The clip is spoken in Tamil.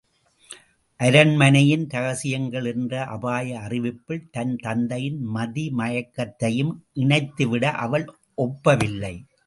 அரண்மனையின் ரகசியங்கள் என்ற அபாய அறிவிப்பில் தன் தந்தையின் மதிமயக்கத்தையும் இணைத்துவிட அவள் ஒப்பவில்லை.